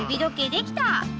できたね！